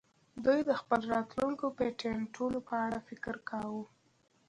دوی د خپلو راتلونکو پیټینټونو په اړه فکر کاوه